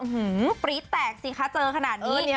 ปรี๊ดแตกสิคะเจอขนาดนี้